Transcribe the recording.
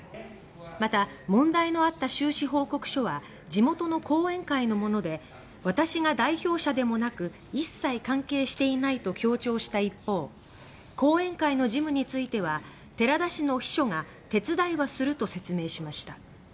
また、問題のあった収支報告書は地元の後援会のもので「私が代表者でもなく一切関係していない」と強調した一方後援会の事務については寺田氏の秘書が「手伝いはする」と説明しました。